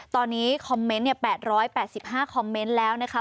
ตอนนี้คอมเมนต์เนี่ยแปดร้อยแปดสิบห้าคอมเมนต์แล้วนะคะ